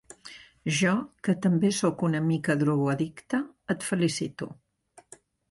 Jo, que també sóc una mica drogoaddicte, et felicito.